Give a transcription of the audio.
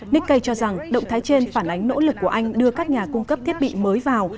nikkei cho rằng động thái trên phản ánh nỗ lực của anh đưa các nhà cung cấp thiết bị mới vào